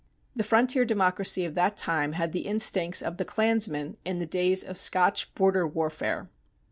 The frontier democracy of that time had the instincts of the clansman in the days of Scotch border warfare.